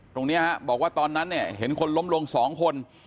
ตรงนี้บอกว่าตอนนั้นเนี่ยเห็นคนล้มลง๒คน